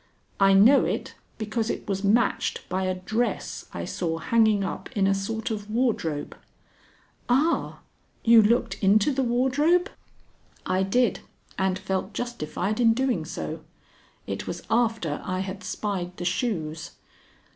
I know it because it was matched by a dress I saw hanging up in a sort of wardrobe." "Ah! You looked into the wardrobe?" "I did and felt justified in doing so. It was after I had spied the shoes."